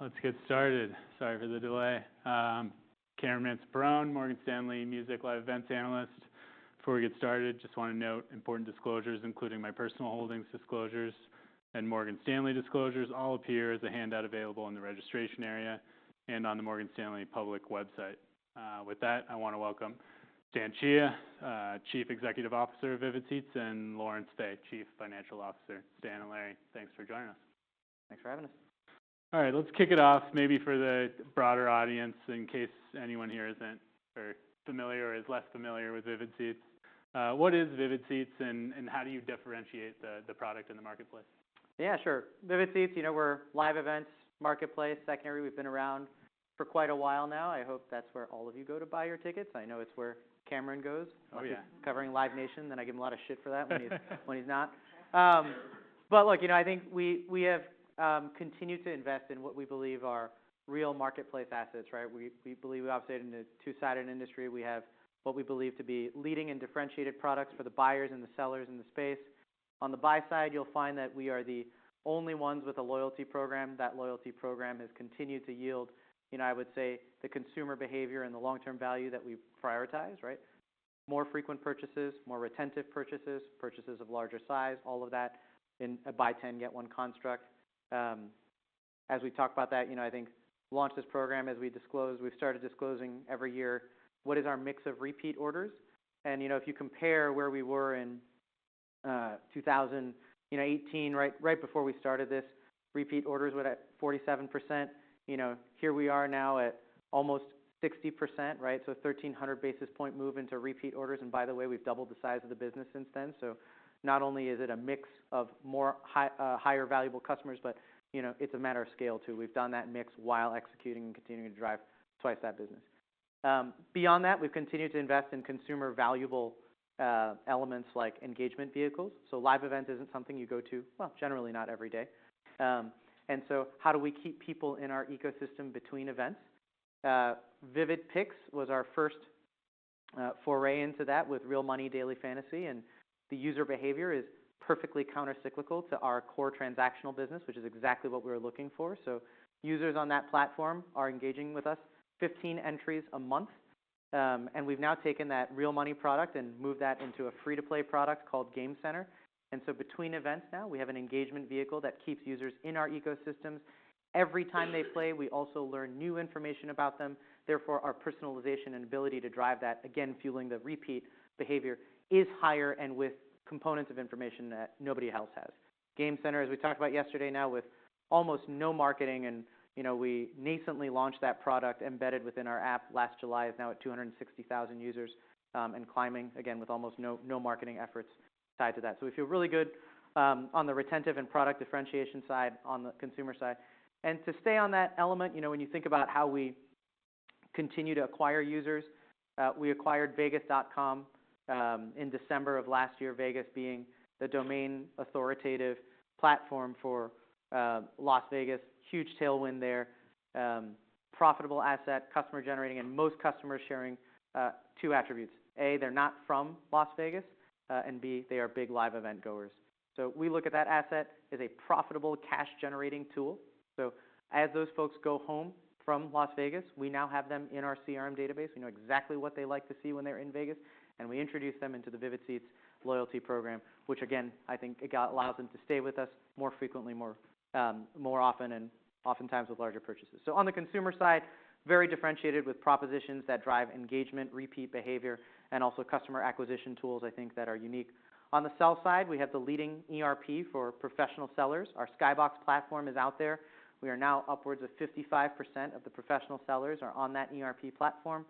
Let's get started. Sorry for the delay. Cameron Mansson-Perrone, Morgan Stanley Research Analyst covering Live Events. Before we get started, just want to note important disclosures, including my personal holdings disclosures and Morgan Stanley disclosures, all appear as a handout available in the registration area and on the Morgan Stanley public website. With that, I want to welcome Stan Chia, Chief Executive Officer of Vivid Seats, and Lawrence Fey, Chief Financial Officer. Stan and Larry, thanks for joining us. Thanks for having us. All right, let's kick it off, maybe for the broader audience in case anyone here isn't familiar or is less familiar with Vivid Seats. What is Vivid Seats, and how do you differentiate the product in the marketplace? Yeah, sure. Vivid Seats, you know, we're live events, marketplace, secondary. We've been around for quite a while now. I hope that's where all of you go to buy your tickets. I know it's where Cameron goes. Oh, yeah. He's covering Live Nation, then I give him a lot of shit for that when he's not. But look, you know, I think we have continued to invest in what we believe are real marketplace assets, right? We believe we operate in a two-sided industry. We have what we believe to be leading and differentiated products for the buyers and the sellers in the space. On the buy side, you'll find that we are the only ones with a loyalty program. That loyalty program has continued to yield, you know, I would say, the consumer behavior and the long-term value that we prioritize, right? More frequent purchases, more retentive purchases, purchases of larger size, all of that in a buy 10, get 1 construct. As we talk about that, you know, I think launch this program, as we disclose, we've started disclosing every year what is our mix of repeat orders. And, you know, if you compare where we were in 2018, right before we started this, repeat orders were at 47%. You know, here we are now at almost 60%, right? So a 1,300 basis point move into repeat orders. And by the way, we've doubled the size of the business since then. So not only is it a mix of more high-valuable customers, but, you know, it's a matter of scale too. We've done that mix while executing and continuing to drive twice that business. Beyond that, we've continued to invest in consumer-valuable elements like engagement vehicles. So live events isn't something you go to, well, generally not every day. And so how do we keep people in our ecosystem between events? Vivid Picks was our first foray into that with real money Daily Fantasy. The user behavior is perfectly countercyclical to our core transactional business, which is exactly what we were looking for. Users on that platform are engaging with us, 15 entries a month, and we've now taken that real money product and moved that into a free-to-play product called Game Center. Between events now, we have an engagement vehicle that keeps users in our ecosystems. Every time they play, we also learn new information about them. Therefore, our personalization and ability to drive that, again, fueling the repeat behavior, is higher and with components of information that nobody else has. Game Center, as we talked about yesterday, now with almost no marketing, and, you know, we nascently launched that product embedded within our app last July. It's now at 260,000 users, and climbing, again, with almost no marketing efforts tied to that. So we feel really good, on the retention and product differentiation side on the consumer side. And to stay on that element, you know, when you think about how we continue to acquire users, we acquired Vegas.com, in December of last year, Vegas being the domain authoritative platform for Las Vegas. Huge tailwind there. Profitable asset, customer-generating, and most customers sharing two attributes: A, they're not from Las Vegas, and B, they are big live event goers. So we look at that asset as a profitable, cash-generating tool. So as those folks go home from Las Vegas, we now have them in our CRM database. We know exactly what they like to see when they're in Vegas. We introduce them into the Vivid Seats loyalty program, which, again, I think it allows them to stay with us more frequently, more often, and oftentimes with larger purchases. On the consumer side, very differentiated with propositions that drive engagement, repeat behavior, and also customer acquisition tools, I think, that are unique. On the sell side, we have the leading ERP for professional sellers. Our SkyBox platform is out there. We are now upwards of 55% of the professional sellers are on that ERP platform.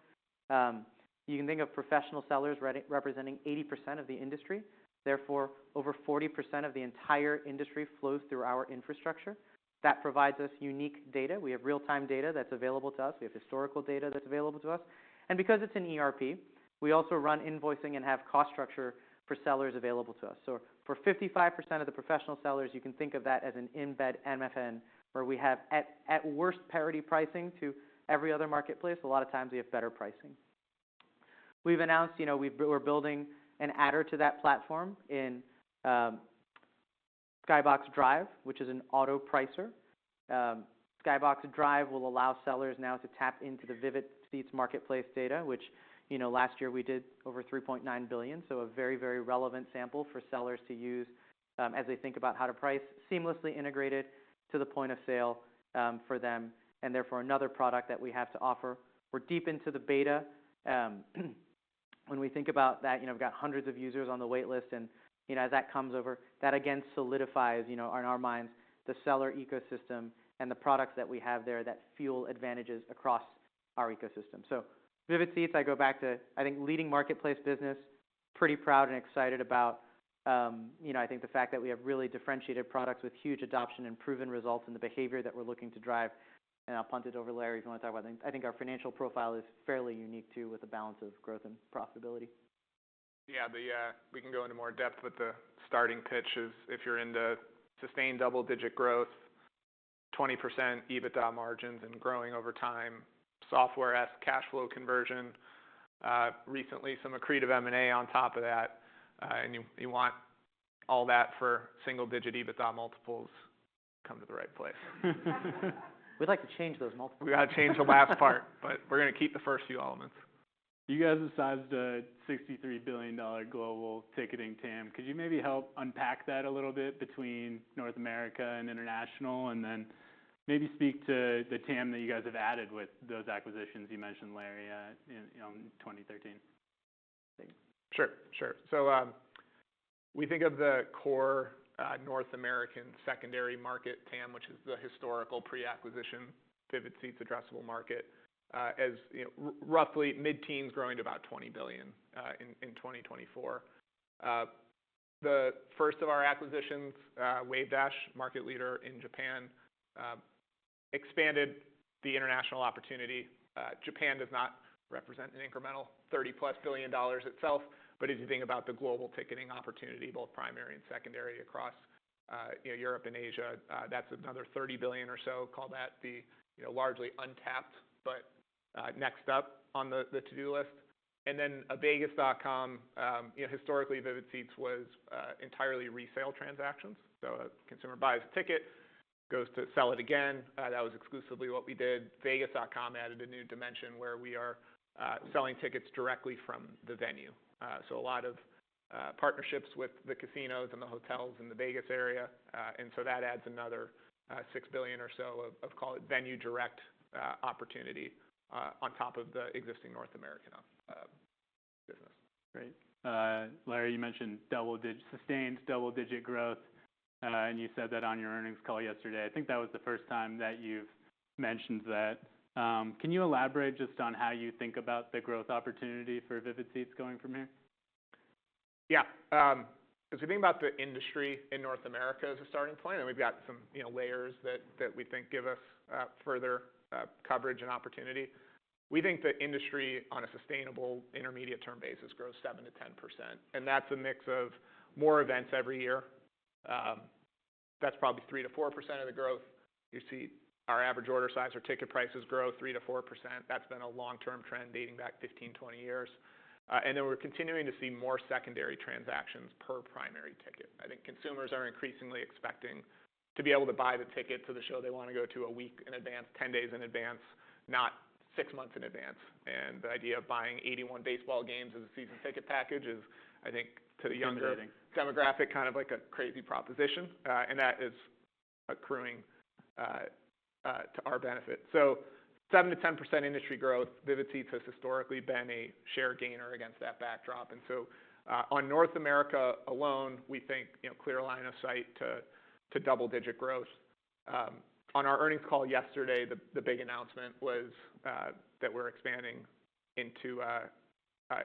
You can think of professional sellers representing 80% of the industry. Therefore, over 40% of the entire industry flows through our infrastructure. That provides us unique data. We have real-time data that's available to us. We have historical data that's available to us. And because it's an ERP, we also run invoicing and have cost structure for sellers available to us. So for 55% of the professional sellers, you can think of that as an embed MFN where we have, at worst, parity pricing to every other marketplace. A lot of times we have better pricing. We've announced, you know, we're building an adder to that platform in, SkyBox Drive, which is an auto-pricer. SkyBox Drive will allow sellers now to tap into the Vivid Seats marketplace data, which, you know, last year we did over $3.9 billion, so a very, very relevant sample for sellers to use, as they think about how to price, seamlessly integrated to the point of sale, for them. And therefore, another product that we have to offer. We're deep into the beta. When we think about that, you know, we've got hundreds of users on the waitlist. You know, as that comes over, that again solidifies, you know, in our minds, the seller ecosystem and the products that we have there that fuel advantages across our ecosystem. So Vivid Seats, I go back to, I think, leading marketplace business. Pretty proud and excited about, you know, I think the fact that we have really differentiated products with huge adoption and proven results in the behavior that we're looking to drive. And I'll punt it over to Larry if you want to talk about that. I think our financial profile is fairly unique too, with a balance of growth and profitability. Yeah, we can go into more depth, but the starting pitch is if you're into sustained double-digit growth, 20% EBITDA margins and growing over time, software-esque cash flow conversion, recently some accretive M&A on top of that, and you want all that for single-digit EBITDA multiples, come to the right place. We'd like to change those multiples. We ought to change the last part, but we're going to keep the first few elements. You guys have sized a $63 billion global ticketing TAM. Could you maybe help unpack that a little bit between North America and international, and then maybe speak to the TAM that you guys have added with those acquisitions you mentioned, Larry, in 2013? Sure, sure. So, we think of the core, North American secondary market TAM, which is the historical pre-acquisition Vivid Seats addressable market, as, you know, roughly mid-teens growing to about $20 billion, in 2024. The first of our acquisitions, Wavedash, market leader in Japan, expanded the international opportunity. Japan does not represent an incremental $30+ billion itself, but if you think about the global ticketing opportunity, both primary and secondary, across, you know, Europe and Asia, that's another $30 billion or so. Call that the, you know, largely untapped but, next up on the to-do list. And then a Vegas.com, you know, historically Vivid Seats was, entirely resale transactions. So a consumer buys a ticket, goes to sell it again. That was exclusively what we did. Vegas.com added a new dimension where we are, selling tickets directly from the venue. So a lot of partnerships with the casinos and the hotels in the Vegas area, and so that adds another $6 billion or so of call it venue-direct opportunity on top of the existing North American business. Great. Larry, you mentioned double-digit sustained double-digit growth, and you said that on your earnings call yesterday. I think that was the first time that you've mentioned that. Can you elaborate just on how you think about the growth opportunity for Vivid Seats going from here? Yeah. As we think about the industry in North America as a starting point, and we've got some, you know, layers that we think give us further coverage and opportunity, we think the industry on a sustainable intermediate-term basis grows 7%-10%. And that's a mix of more events every year. That's probably 3%-4% of the growth. You see our average order size or ticket prices grow 3%-4%. That's been a long-term trend dating back 15-20 years. And then we're continuing to see more secondary transactions per primary ticket. I think consumers are increasingly expecting to be able to buy the ticket to the show they want to go to a week in advance, 10 days in advance, not six months in advance. And the idea of buying 81 baseball games as a season ticket package is, I think, to the younger. Demographic. Demographic kind of like a crazy proposition. And that is accruing to our benefit. So 7%-10% industry growth, Vivid Seats has historically been a share gainer against that backdrop. And so, on North America alone, we think, you know, clear line of sight to double-digit growth. On our earnings call yesterday, the big announcement was that we're expanding into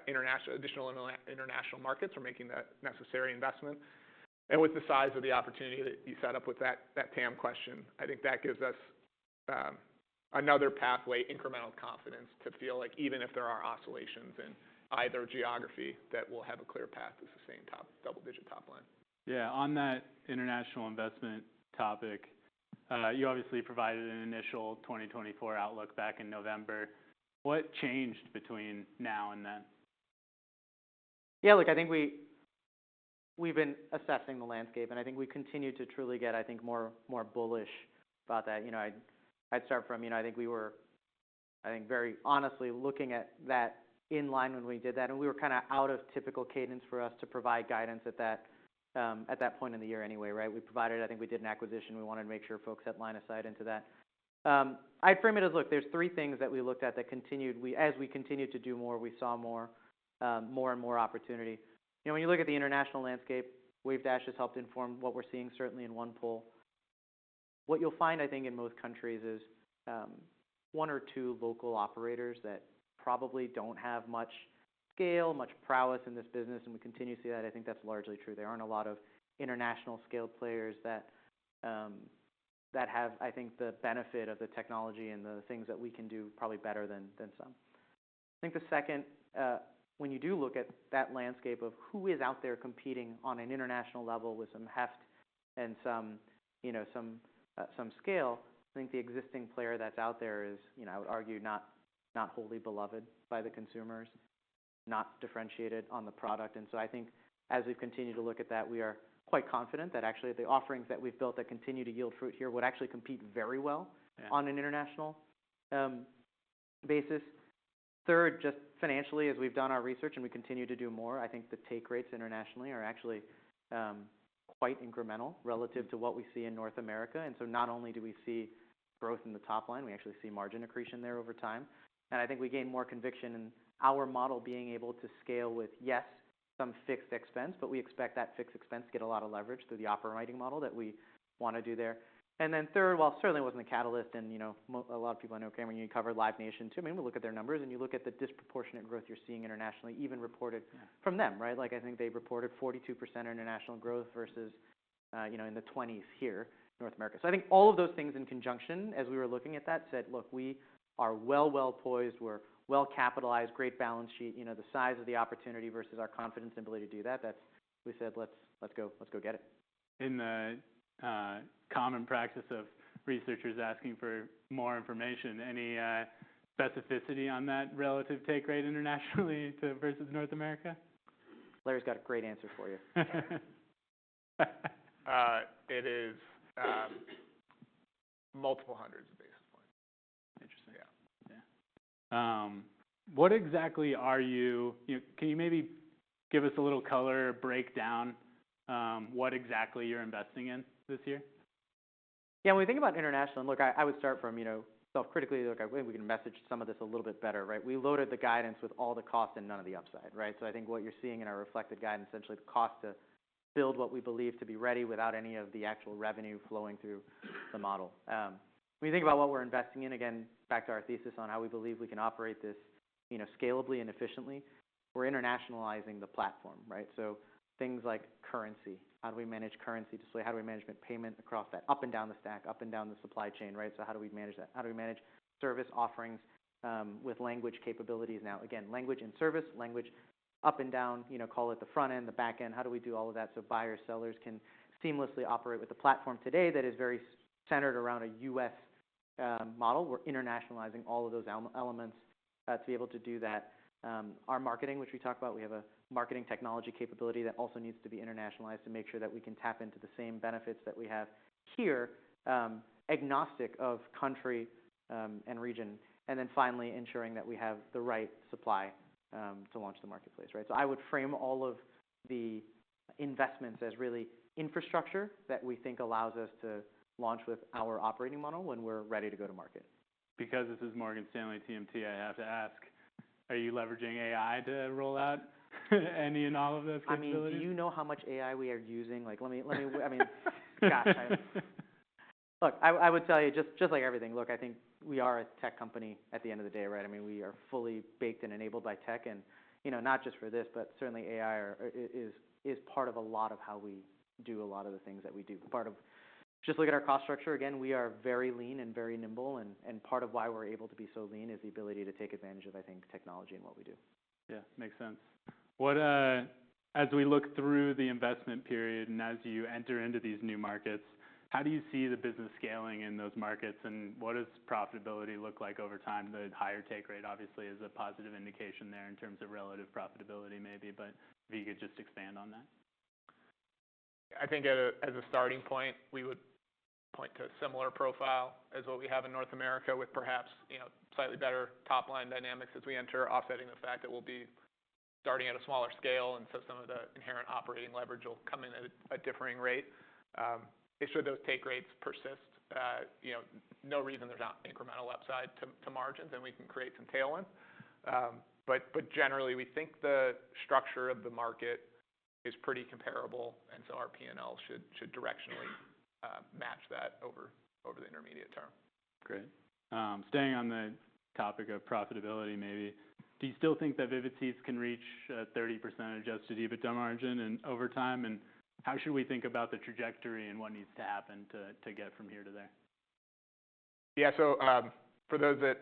international additional international markets. We're making that necessary investment. And with the size of the opportunity that you set up with that TAM question, I think that gives us another pathway, incremental confidence, to feel like even if there are oscillations in either geography, that we'll have a clear path to sustain double-digit top line. Yeah, on that international investment topic, you obviously provided an initial 2024 outlook back in November. What changed between now and then? Yeah, look, I think we've been assessing the landscape. I think we continue to truly get, I think, more bullish about that. You know, I'd start from, you know, I think we were, I think, very honestly looking at that in line when we did that. We were kind of out of typical cadence for us to provide guidance at that, at that point in the year anyway, right? We provided it. I think we did an acquisition. We wanted to make sure folks had line of sight into that. I'd frame it as, look, there's three things that we looked at that continued as we continued to do more, we saw more, more and more opportunity. You know, when you look at the international landscape, Wavedash has helped inform what we're seeing, certainly in Japan. What you'll find, I think, in most countries is one or two local operators that probably don't have much scale, much prowess in this business. We continue to see that. I think that's largely true. There aren't a lot of international-scale players that have, I think, the benefit of the technology and the things that we can do probably better than some. I think the second, when you do look at that landscape of who is out there competing on an international level with some heft and some, you know, some scale, I think the existing player that's out there is, you know, I would argue, not wholly beloved by the consumers, not differentiated on the product. And so I think as we've continued to look at that, we are quite confident that actually the offerings that we've built that continue to yield fruit here would actually compete very well on an international basis. Third, just financially, as we've done our research and we continue to do more, I think the take rates internationally are actually quite incremental relative to what we see in North America. And so not only do we see growth in the top line, we actually see margin accretion there over time. And I think we gain more conviction in our model being able to scale with, yes, some fixed expense, but we expect that fixed expense to get a lot of leverage through the operating model that we want to do there. And then third, while it certainly wasn't a catalyst and, you know, a lot of people I know, Cameron, you covered Live Nation too. I mean, we look at their numbers and you look at the disproportionate growth you're seeing internationally, even reported from them, right? Like, I think they reported 42% international growth versus, you know, in the 20s here, North America. So I think all of those things in conjunction, as we were looking at that, said, look, we are well, well poised. We're well capitalized, great balance sheet, you know, the size of the opportunity versus our confidence and ability to do that, that's we said, let's go, let's go get it. In the common practice of researchers asking for more information, any specificity on that relative take rate internationally versus North America? Larry's got a great answer for you. It is, multiple hundreds of basis points. [inaudible] [inaudible] Yeah. What exactly are you, you know, can you maybe give us a little color breakdown, what exactly you're investing in this year? Yeah, when we think about international, and look, I would start from, you know, self-critically, look, I think we can message some of this a little bit better, right? We loaded the guidance with all the cost and none of the upside, right? So I think what you're seeing in our reflected guidance, essentially the cost to build what we believe to be ready without any of the actual revenue flowing through the model. When you think about what we're investing in, again, back to our thesis on how we believe we can operate this, you know, scalably and efficiently, we're internationalizing the platform, right? So things like currency. How do we manage currency display? How do we manage payment across that, up and down the stack, up and down the supply chain, right? So how do we manage that? How do we manage service offerings, with language capabilities now? Again, language and service, language up and down, you know, call it the front end, the back end. How do we do all of that so buyers, sellers can seamlessly operate with the platform today that is very centered around a US model? We're internationalizing all of those elements, to be able to do that. Our marketing, which we talk about, we have a marketing technology capability that also needs to be internationalized to make sure that we can tap into the same benefits that we have here, agnostic of country, and region. And then finally, ensuring that we have the right supply, to launch the marketplace, right? So I would frame all of the investments as really infrastructure that we think allows us to launch with our operating model when we're ready to go to market. Because this is Morgan Stanley TMT, I have to ask, are you leveraging AI to roll out any and all of those capabilities? I mean, do you know how much AI we are using? Like, let me. I mean, gosh. I would tell you, just like everything. Look, I think we are a tech company at the end of the day, right? I mean, we are fully baked and enabled by tech. And, you know, not just for this, but certainly AI is part of a lot of how we do a lot of the things that we do. Part of just look at our cost structure. Again, we are very lean and very nimble. And part of why we're able to be so lean is the ability to take advantage of, I think, technology in what we do. Yeah, makes sense. What, as we look through the investment period and as you enter into these new markets, how do you see the business scaling in those markets? And what does profitability look like over time? The higher take rate, obviously, is a positive indication there in terms of relative profitability maybe, but if you could just expand on that. I think as a starting point, we would point to a similar profile as what we have in North America with perhaps, you know, slightly better top line dynamics as we enter, offsetting the fact that we'll be starting at a smaller scale and so some of the inherent operating leverage will come in at a differing rate. Make sure those take rates persist. You know, no reason there's not incremental upside to margins and we can create some tailwind. But generally, we think the structure of the market is pretty comparable. And so our P&L should directionally match that over the intermediate term. Great. Staying on the topic of profitability maybe, do you still think that Vivid Seats can reach a 30% adjusted EBITDA margin over time? And how should we think about the trajectory and what needs to happen to get from here to there? Yeah, so, for those that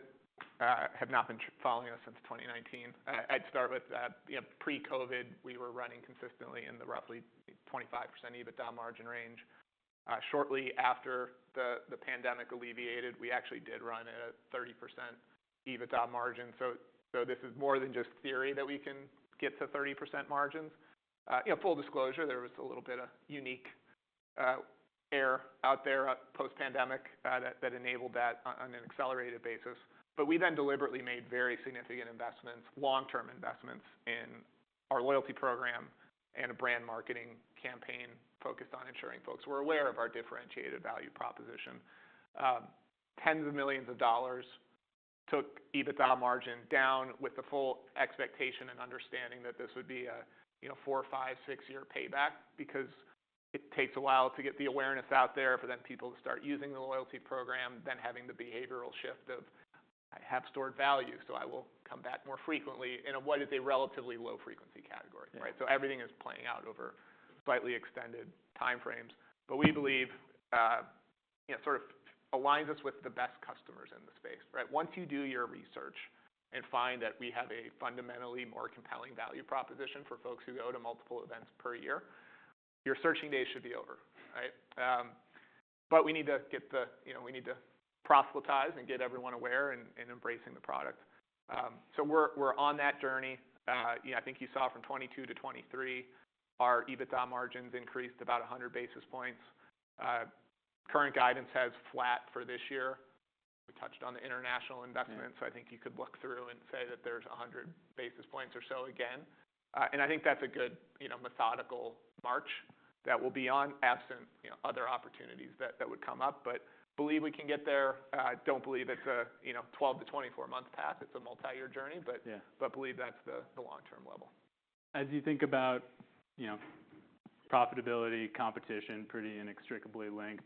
have not been following us since 2019, I'd start with, you know, pre-COVID, we were running consistently in the roughly 25% EBITDA margin range. Shortly after the pandemic alleviated, we actually did run at a 30% EBITDA margin. So this is more than just theory that we can get to 30% margins. You know, full disclosure, there was a little bit of unique air out there post-pandemic that enabled that on an accelerated basis. But we then deliberately made very significant investments, long-term investments, in our loyalty program and a brand marketing campaign focused on ensuring folks were aware of our differentiated value proposition. tens of millions of dollars took EBITDA margin down with the full expectation and understanding that this would be a, you know, four, five, six-year payback because it takes a while to get the awareness out there for then people to start using the loyalty program, then having the behavioral shift of, I have stored value, so I will come back more frequently in a what is a relatively low-frequency category, right? So everything is playing out over slightly extended time frames. But we believe, you know, sort of aligns us with the best customers in the space, right? Once you do your research and find that we have a fundamentally more compelling value proposition for folks who go to multiple events per year, your searching day should be over, right? but we need to get the, you know, we need to proselytize and get everyone aware and embracing the product. So we're on that journey. You know, I think you saw from 2022 to 2023, our EBITDA margins increased about 100 basis points. Current guidance has flat for this year. We touched on the international investment, so I think you could look through and say that there's 100 basis points or so again. And I think that's a good, you know, methodical march that we'll be on absent, you know, other opportunities that would come up. But believe we can get there. Don't believe it's a, you know, 12-24-month path. It's a multi-year journey, but believe that's the long-term level. As you think about, you know, profitability, competition pretty inextricably linked,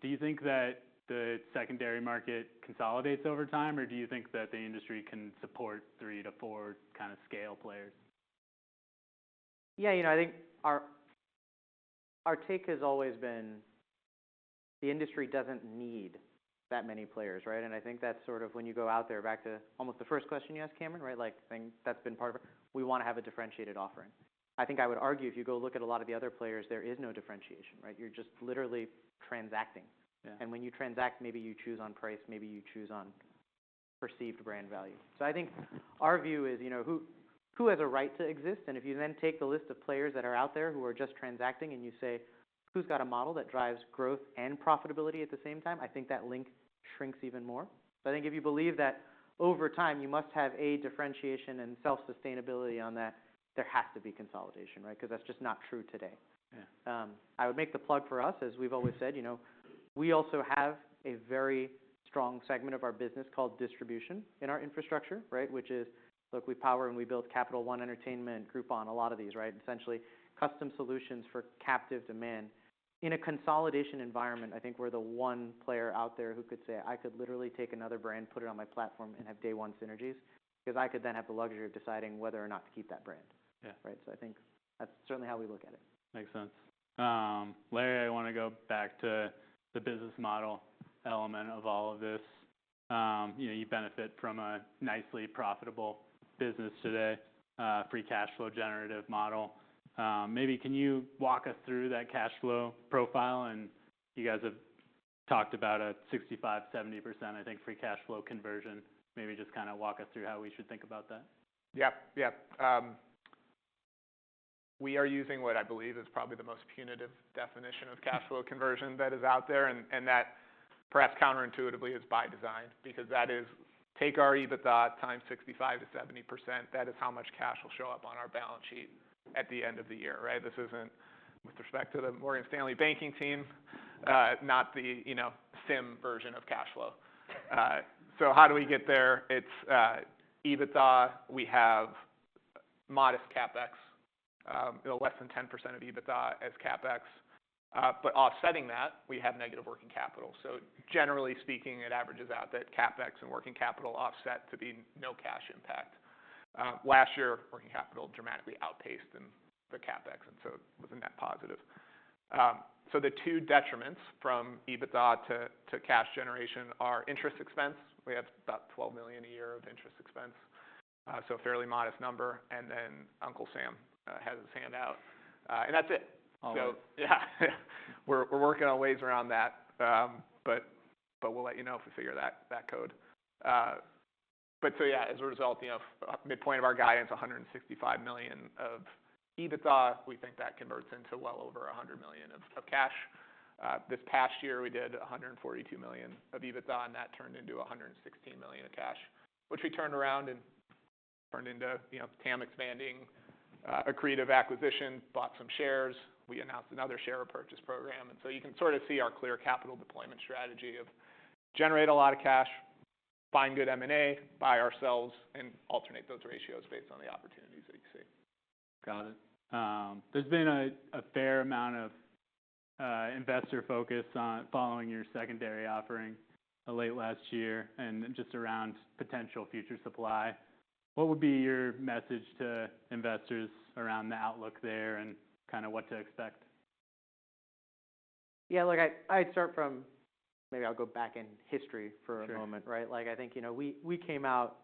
do you think that the secondary market consolidates over time, or do you think that the industry can support three-four kind of scale players? Yeah, you know, I think our take has always been the industry doesn't need that many players, right? And I think that's sort of when you go out there, back to almost the first question you asked, Cameron, right? Like, I think that's been part of it. We want to have a differentiated offering. I think I would argue if you go look at a lot of the other players, there is no differentiation, right? You're just literally transacting. And when you transact, maybe you choose on price, maybe you choose on perceived brand value. So I think our view is, you know, who has a right to exist? And if you then take the list of players that are out there who are just transacting and you say, who's got a model that drives growth and profitability at the same time, I think that list shrinks even more. So I think if you believe that over time you must have a differentiation and self-sustainability on that, there has to be consolidation, right? Because that's just not true today. I would make the plug for us, as we've always said, you know, we also have a very strong segment of our business called distribution in our infrastructure, right? Which is, look, we power and we build Capital One Entertainment on a lot of these, right? Essentially, custom solutions for captive demand. In a consolidation environment, I think we're the one player out there who could say, I could literally take another brand, put it on my platform, and have day one synergies because I could then have the luxury of deciding whether or not to keep that brand, right? So I think that's certainly how we look at it. Makes sense. Larry, I want to go back to the business model element of all of this. You know, you benefit from a nicely profitable business today, free cash flow generative model. Maybe can you walk us through that cash flow profile? And you guys have talked about a 65%-70%, I think, free cash flow conversion. Maybe just kind of walk us through how we should think about that. Yeah, yeah. We are using what I believe is probably the most punitive definition of cash flow conversion that is out there. And that perhaps counterintuitively is by design because that is take our EBITDA times 65%-70%. That is how much cash will show up on our balance sheet at the end of the year, right? This isn't, with respect to the Morgan Stanley banking team, not the, you know, CIM version of cash flow. So how do we get there? It's EBITDA. We have modest CapEx, you know, less than 10% of EBITDA as CapEx. But offsetting that, we have negative working capital. So generally speaking, it averages out that CapEx and working capital offset to be no cash impact. Last year, working capital dramatically outpaced the CapEx, and so it was a net positive. So the two deductions from EBITDA to cash generation are interest expense. We have about $12 million a year of interest expense, so a fairly modest number. Then Uncle Sam has his hand out, and that's it. So yeah, we're working on ways around that, but we'll let you know if we figure that out. But so yeah, as a result, you know, midpoint of our guidance, $165 million of EBITDA, we think that converts into well over $100 million of cash. This past year, we did $142 million of EBITDA, and that turned into $116 million of cash, which we turned around and turned into, you know, TAM expanding, a creative acquisition, bought some shares. We announced another share purchase program. You can sort of see our clear capital deployment strategy of generate a lot of cash, find good M&A, buy ourselves, and alternate those ratios based on the opportunities that you see. Got it. There's been a fair amount of investor focus on following your secondary offering late last year and just around potential future supply. What would be your message to investors around the outlook there and kind of what to expect? Yeah, look, I'd start from maybe I'll go back in history for a moment, right? Like, I think, you know, we came out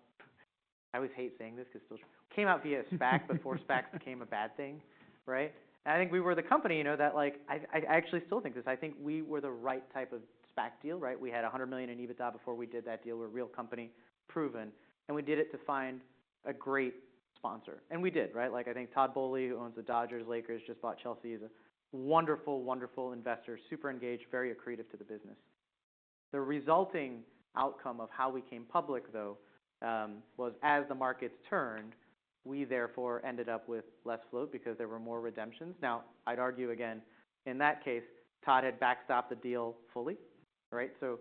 I always hate saying this because it's still true. We came out via SPAC before SPACs became a bad thing, right? And I think we were the company, you know, that, like, I actually still think this. I think we were the right type of SPAC deal, right? We had $100 million in EBITDA before we did that deal. We're a real company, proven. And we did it to find a great sponsor. And we did, right? Like, I think Todd Boehly, who owns the Dodgers, Lakers, just bought Chelsea. He's a wonderful, wonderful investor, super engaged, very accretive to the business. The resulting outcome of how we came public, though, was as the markets turned, we therefore ended up with less float because there were more redemptions. Now, I'd argue again, in that case, Todd had backstopped the deal fully, right? So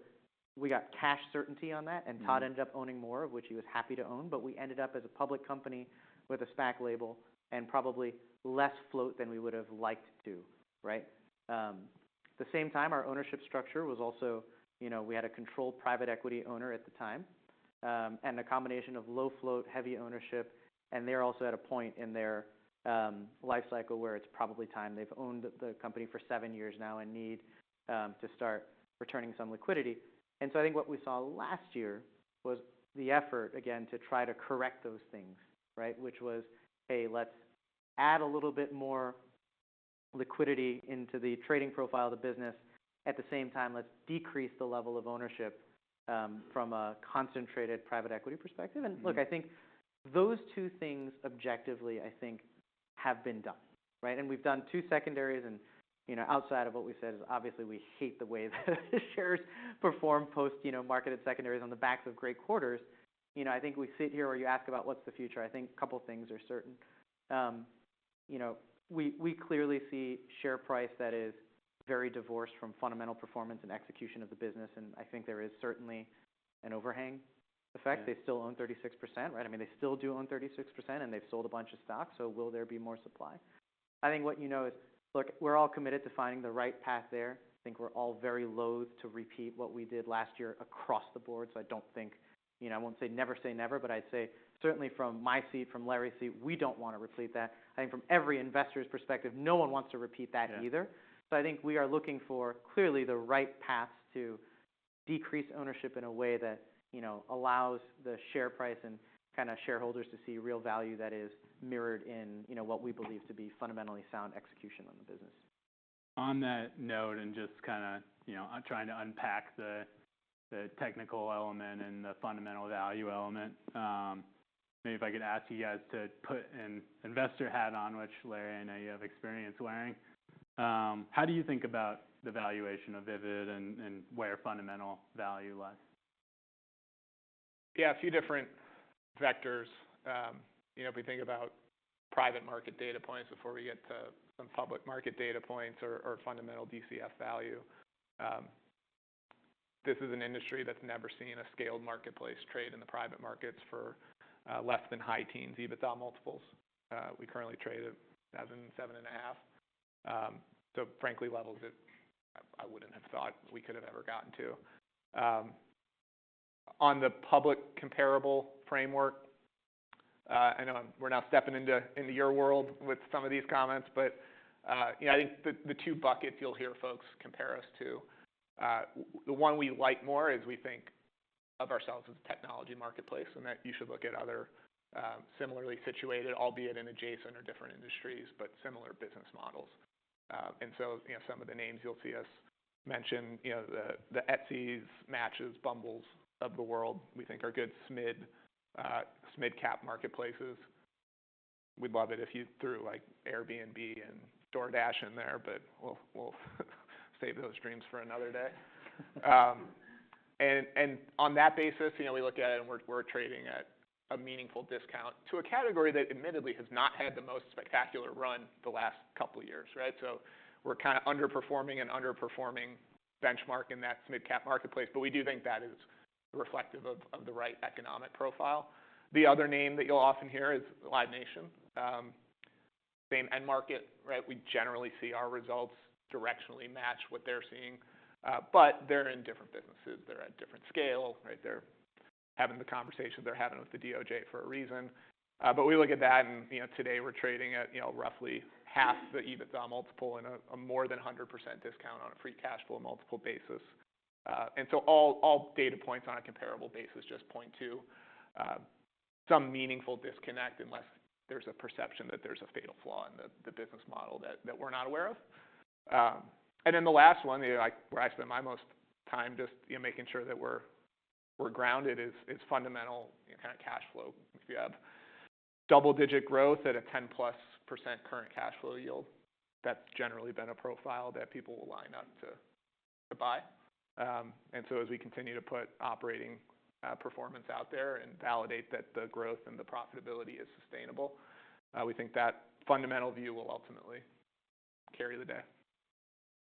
we got cash certainty on that, and Todd ended up owning more, of which he was happy to own. But we ended up as a public company with a SPAC label and probably less float than we would have liked to, right? At the same time, our ownership structure was also, you know, we had a controlled private equity owner at the time, and a combination of low float, heavy ownership. And they're also at a point in their lifecycle where it's probably time. They've owned the company for seven years now and need to start returning some liquidity. And so I think what we saw last year was the effort, again, to try to correct those things, right? Which was, hey, let's add a little bit more liquidity into the trading profile of the business. At the same time, let's decrease the level of ownership, from a concentrated private equity perspective. And look, I think those two things objectively, I think, have been done, right? And we've done two secondaries. And, you know, outside of what we said, is obviously we hate the way that shares perform post-marketed secondaries on the backs of great quarters. You know, I think we sit here where you ask about what's the future. I think a couple of things are certain. You know, we clearly see share price that is very divorced from fundamental performance and execution of the business. And I think there is certainly an overhang effect. They still own 36%, right? I mean, they still do own 36%, and they've sold a bunch of stock. So will there be more supply? I think what you know is, look, we're all committed to finding the right path there. I think we're all very loath to repeat what we did last year across the board. So I don't think, you know, I won't say never, say never, but I'd say certainly from my seat, from Larry's seat, we don't want to repeat that. I think from every investor's perspective, no one wants to repeat that either. So I think we are looking for clearly the right paths to decrease ownership in a way that, you know, allows the share price and kind of shareholders to see real value that is mirrored in, you know, what we believe to be fundamentally sound execution on the business. On that note, and just kind of, you know, trying to unpack the technical element and the fundamental value element, maybe if I could ask you guys to put an investor hat on, which Larry, I know you have experience wearing, how do you think about the valuation of Vivid and where fundamental value lies? Yeah, a few different vectors. You know, if we think about private market data points before we get to some public market data points or fundamental DCF value, this is an industry that's never seen a scaled marketplace trade in the private markets for less than high teens EBITDA multiples. We currently trade at seven, seven and a half. So frankly, levels that I wouldn't have thought we could have ever gotten to. On the public comparable framework, I know we're now stepping into your world with some of these comments, but, you know, I think the two buckets you'll hear folks compare us to, the one we like more is we think of ourselves as a technology marketplace and that you should look at other, similarly situated, albeit in adjacent or different industries, but similar business models. So, you know, some of the names you'll see us mention, you know, the Etsys, Matches, Bumbles of the world, we think are good SMID-cap marketplaces. We'd love it if you threw, like, Airbnb and DoorDash in there, but we'll save those dreams for another day. On that basis, you know, we look at it and we're trading at a meaningful discount to a category that admittedly has not had the most spectacular run the last couple of years, right? So we're kind of underperforming an underperforming benchmark in that SMID-cap marketplace, but we do think that is reflective of the right economic profile. The other name that you'll often hear is Live Nation. Same end market, right? We generally see our results directionally match what they're seeing, but they're in different businesses. They're at different scale, right? They're having the conversations they're having with the DOJ for a reason. But we look at that and, you know, today we're trading at, you know, roughly half the EBITDA multiple and a more than 100% discount on a free cash flow multiple basis. And so all data points on a comparable basis just point to, some meaningful disconnect unless there's a perception that there's a fatal flaw in the business model that we're not aware of. And then the last one, you know, where I spend my most time just making sure that we're grounded, is fundamental, you know, kind of cash flow. If you have double-digit growth at a 10%+ current cash flow yield, that's generally been a profile that people will line up to buy. And so as we continue to put operating performance out there and validate that the growth and the profitability is sustainable, we think that fundamental view will ultimately carry the day.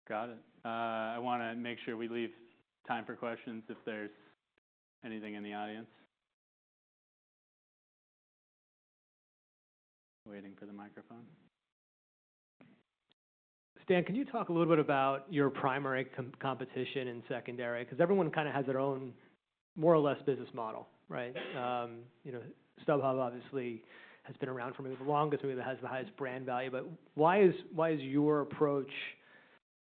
Got it. I want to make sure we leave time for questions if there's anything in the audience waiting for the microphone. Stan, can you talk a little bit about your primary competition in secondary? Because everyone kind of has their own more or less business model, right? You know, StubHub obviously has been around for maybe the longest, maybe has the highest brand value. But why is your approach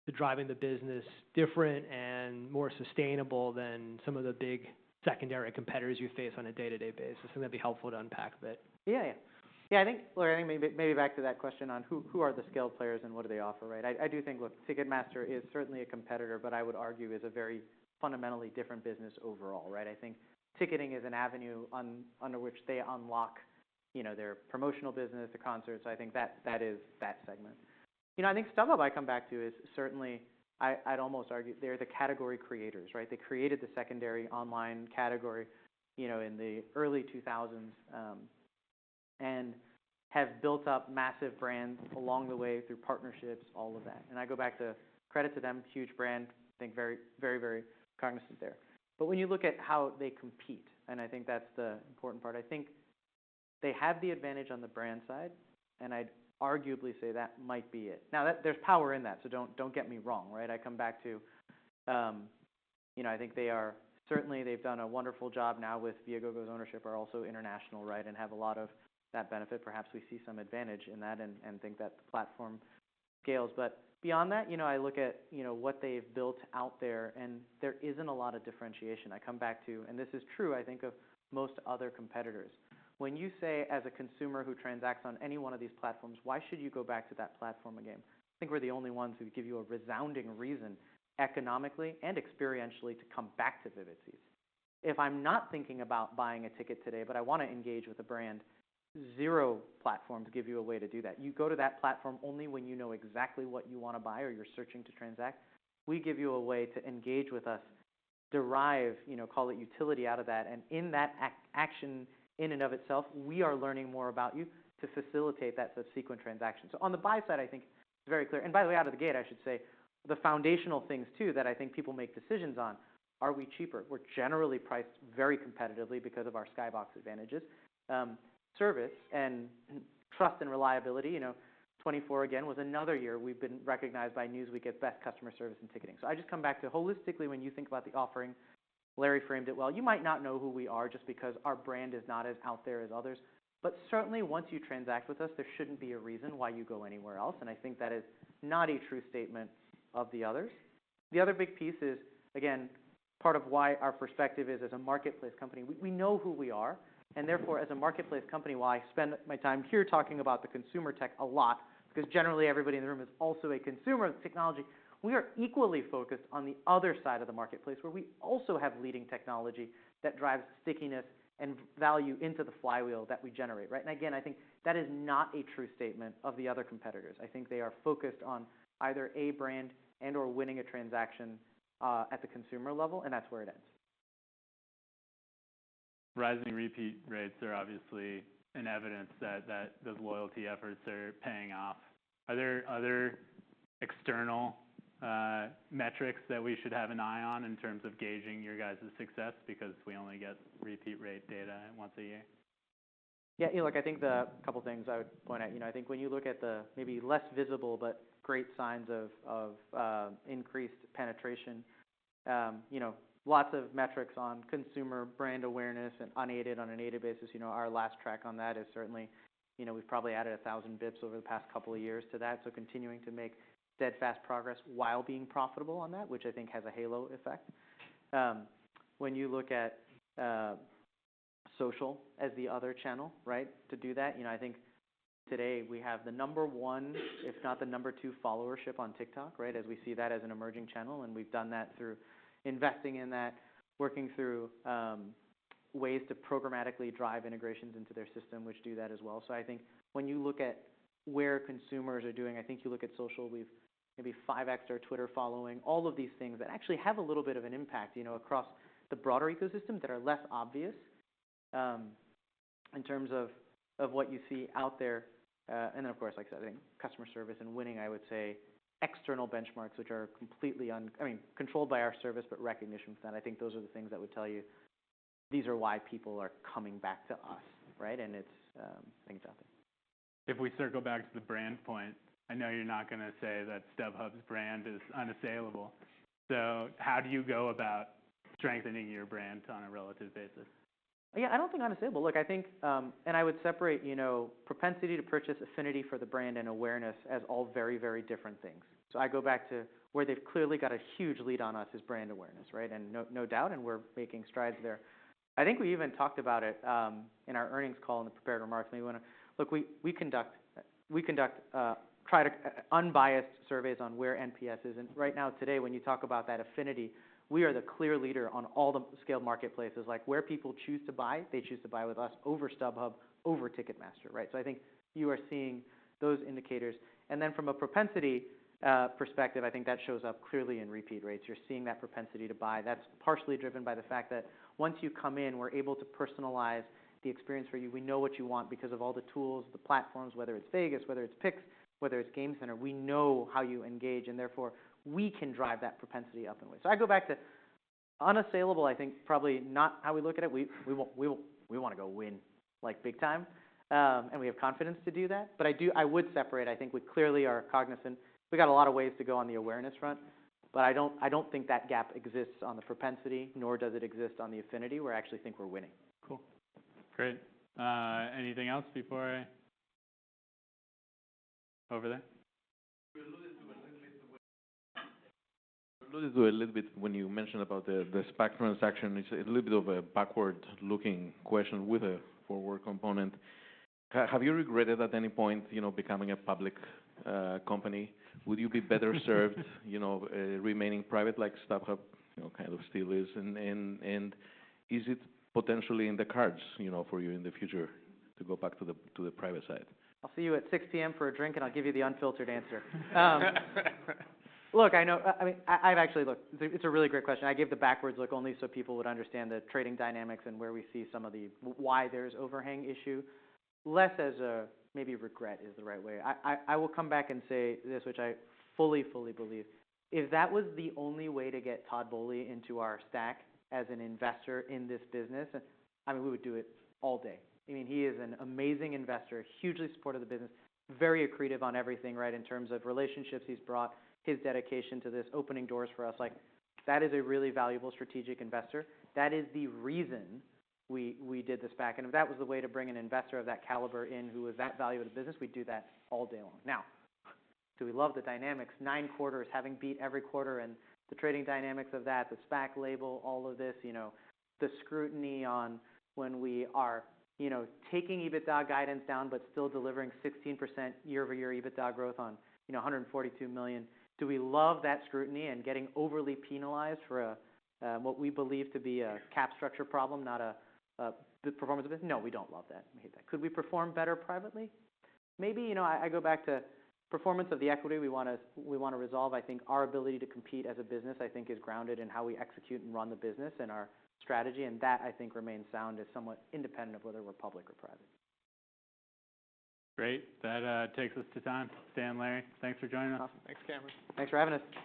to driving the business different and more sustainable than some of the big secondary competitors you face on a day-to-day basis? I think that'd be helpful to unpack a bit. Yeah, yeah. Yeah, I think, Larry, I think maybe back to that question on who are the scaled players and what do they offer, right? I do think, look, Ticketmaster is certainly a competitor, but I would argue is a very fundamentally different business overall, right? I think ticketing is an avenue under which they unlock, you know, their promotional business, the concerts. I think that is that segment. You know, I think StubHub, I come back to, is certainly, I'd almost argue, they're the category creators, right? They created the secondary online category, you know, in the early 2000s, and have built up massive brands along the way through partnerships, all of that. And I go back to credit to them, huge brand, I think very, very, very cognizant there. But when you look at how they compete, and I think that's the important part, I think they have the advantage on the brand side, and I'd arguably say that might be it. Now, there's power in that, so don't get me wrong, right? I come back to, you know, I think they are certainly they've done a wonderful job now with viagogo's ownership, are also international, right, and have a lot of that benefit. Perhaps we see some advantage in that and think that the platform scales. But beyond that, you know, I look at, you know, what they've built out there, and there isn't a lot of differentiation. I come back to, and this is true, I think, of most other competitors. When you say, as a consumer who transacts on any one of these platforms, why should you go back to that platform again? I think we're the only ones who give you a resounding reason economically and experientially to come back to Vivid Seats. If I'm not thinking about buying a ticket today, but I want to engage with a brand, zero platforms give you a way to do that. You go to that platform only when you know exactly what you want to buy or you're searching to transact. We give you a way to engage with us, derive, you know, call it utility out of that. And in that action in and of itself, we are learning more about you to facilitate that subsequent transaction. So on the buy side, I think it's very clear. And by the way, out of the gate, I should say the foundational things too that I think people make decisions on, are we cheaper? We're generally priced very competitively because of our SkyBox advantages, service and trust and reliability. You know, 2024 again was another year we've been recognized by Newsweek as best customer service in ticketing. So I just come back to holistically, when you think about the offering, Larry framed it well, you might not know who we are just because our brand is not as out there as others. But certainly, once you transact with us, there shouldn't be a reason why you go anywhere else. And I think that is not a true statement of the others. The other big piece is, again, part of why our perspective is as a marketplace company, we know who we are. And therefore, as a marketplace company, why I spend my time here talking about the consumer tech a lot? Because generally, everybody in the room is also a consumer of technology. We are equally focused on the other side of the marketplace where we also have leading technology that drives stickiness and value into the flywheel that we generate, right? And again, I think that is not a true statement of the other competitors. I think they are focused on either a brand and/or winning a transaction, at the consumer level, and that's where it ends. Rising repeat rates, they're obviously in evidence that those loyalty efforts are paying off. Are there other external, metrics that we should have an eye on in terms of gauging your guys' success because we only get repeat rate data once a year? Yeah, you know, look, I think the couple of things I would point out, you know, I think when you look at the maybe less visible but great signs of increased penetration, you know, lots of metrics on consumer brand awareness and unaided on an aided basis, you know, our last track on that is certainly, you know, we've probably added 1,000 basis points over the past couple of years to that. So continuing to make steadfast progress while being profitable on that, which I think has a halo effect. When you look at social as the other channel, right, to do that, you know, I think today we have the number one, if not the number two, followership on TikTok, right, as we see that as an emerging channel. And we've done that through investing in that, working through ways to programmatically drive integrations into their system, which do that as well. So I think when you look at where consumers are doing, I think you look at social, we've maybe 5x-ed our Twitter following, all of these things that actually have a little bit of an impact, you know, across the broader ecosystem that are less obvious, in terms of what you see out there. And then, of course, like I said, I think customer service and winning, I would say, external benchmarks, which are completely—I mean, controlled by our service, but recognition for that. I think those are the things that would tell you these are why people are coming back to us, right? And it's, I think it's out there. If we circle back to the brand point, I know you're not going to say that StubHub's brand is unassailable. So how do you go about strengthening your brand on a relative basis? Yeah, I don't think unassailable. Look, I think, and I would separate, you know, propensity to purchase, affinity for the brand, and awareness as all very, very different things. So I go back to where they've clearly got a huge lead on us is brand awareness, right? And no doubt, and we're making strides there. I think we even talked about it, in our earnings call in the prepared remarks. Maybe we want to look. We conduct unbiased surveys on where NPS is. And right now, today, when you talk about that affinity, we are the clear leader on all the scaled marketplaces. Like, where people choose to buy, they choose to buy with us over StubHub, over Ticketmaster, right? So I think you are seeing those indicators. And then from a propensity perspective, I think that shows up clearly in repeat rates. You're seeing that propensity to buy. That's partially driven by the fact that once you come in, we're able to personalize the experience for you. We know what you want because of all the tools, the platforms, whether it's Vegas, whether it's Picks, whether it's Game Center, we know how you engage. And therefore, we can drive that propensity up in ways. So I go back to unassailable, I think, probably not how we look at it. We want to go win, like, big time. And we have confidence to do that. But I do, I would separate, I think we clearly are cognizant, we got a lot of ways to go on the awareness front, but I don't think that gap exists on the propensity, nor does it exist on the affinity. We actually think we're winning. Cool. Great. Anything else before I over there? Alluded to a little bit when you mentioned about the SPAC transaction, it's a little bit of a backward-looking question with a forward component. Have you regretted at any point, you know, becoming a public company? Would you be better served, you know, remaining private like StubHub kind of still is? And is it potentially in the cards, you know, for you in the future to go back to the private side? I'll see you at 6:00 P.M. for a drink, and I'll give you the unfiltered answer. Look, I know, I mean, I've actually looked, it's a really great question. I gave the backwards look only so people would understand the trading dynamics and where we see some of the why there's overhang issue. Less as a maybe regret is the right way. I will come back and say this, which I fully, fully believe. If that was the only way to get Todd Boehly into our stack as an investor in this business, I mean, we would do it all day. I mean, he is an amazing investor, hugely supportive of the business, very accretive on everything, right, in terms of relationships he's brought, his dedication to this, opening doors for us. Like, that is a really valuable strategic investor. That is the reason we did the SPAC. And if that was the way to bring an investor of that caliber in who was that value of the business, we'd do that all day long. Now, do we love the dynamics, nine quarters, having beat every quarter, and the trading dynamics of that, the SPAC label, all of this, you know, the scrutiny on when we are, you know, taking EBITDA guidance down but still delivering 16% year-over-year EBITDA growth on, you know, $142 million, do we love that scrutiny and getting overly penalized for what we believe to be a cap structure problem, not a performance of business? No, we don't love that. We hate that. Could we perform better privately? Maybe, you know, I go back to performance of the equity we want to resolve. I think our ability to compete as a business, I think, is grounded in how we execute and run the business and our strategy. That, I think, remains sound, is somewhat independent of whether we're public or private. Great. That takes us to time. Stan, Larry, thanks for joining us. Awesome. Thanks, Cameron. Thanks for having us.